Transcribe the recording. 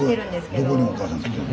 どこにお母さん来てるの？